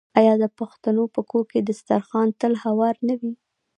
آیا د پښتنو په کور کې دسترخان تل هوار نه وي؟